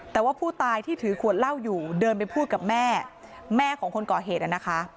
แต่ว่าผู้ตายที่ถือขวดเหล้าอยู่เดินไปพูดกับแม่แม่ของคนก่อเหตุนะคะ